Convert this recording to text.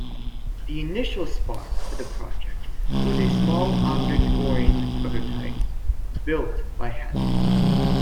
The initial spark for the project was a small object-oriented prototype built by Hadfield.